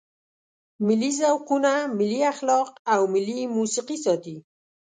ملي ذوقونه، ملي اخلاق او ملي موسیقي ساتي.